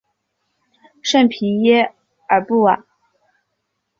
圣皮耶尔布瓦。